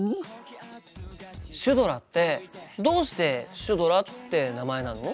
シュドラってどうしてシュドラって名前なの？